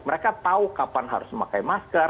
mereka tahu kapan harus memakai masker